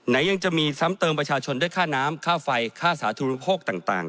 ยังจะมีซ้ำเติมประชาชนด้วยค่าน้ำค่าไฟค่าสาธุรโภคต่าง